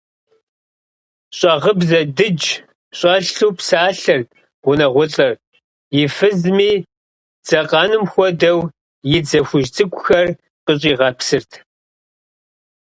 Щӏагъыбзэ дыдж щӏэлъу псалъэрт гъунэгъулӏыр, и фызми дзакъэнум хуэдэу и дзэ хужь цӏыкӏухэр къыщӏигъэпсырт.